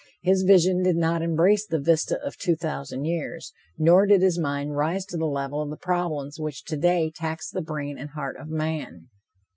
His vision did not embrace the vista of two thousand years, nor did his mind rise to the level of the problems which today tax the brain and heart of man.